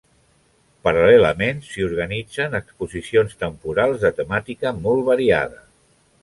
Paral·lelament, s'hi organitzen exposicions temporals de temàtica molt variada.